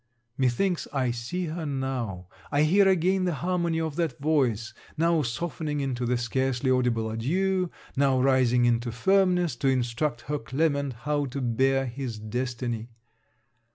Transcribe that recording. Methinks I see her now: I hear again the harmony of that voice; now softening into the scarcely audible adieu; now rising into firmness, to instruct her Clement how to bear his destiny.